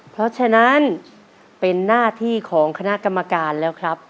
เพราะฉะนั้นเป็นหน้าที่ของคณะกรรมการแล้วครับ